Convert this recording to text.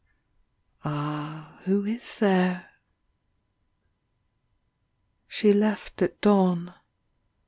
. Ah, who is there? She left at dawn.